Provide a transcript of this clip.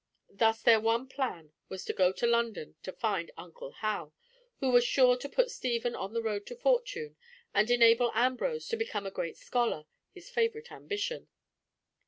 Thus their one plan was to go to London to find Uncle Hal, who was sure to put Stephen on the road to fortune, and enable Ambrose to become a great scholar, his favourite ambition.